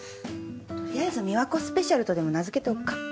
とりあえず「美和子スペシャル」とでも名づけておくか。